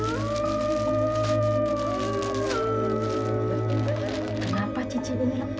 ibu jangananya seperti ini juga dan berhidup